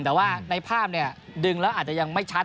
แต่ว่าในภาพเนี่ยดึงแล้วอาจจะยังไม่ชัด